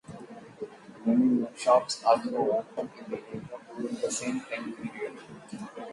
Many new shops also opened in the area during the same time period.